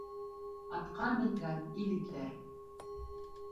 Атҡа менгән ил гиҙәр